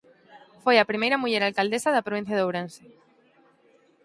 Foi a primeira muller alcaldesa da provincia de Ourense.